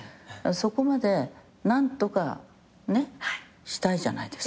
そこまで何とかねしたいじゃないですか。